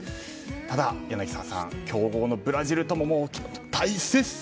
ただ、柳澤さん強豪のブラジルとも大接戦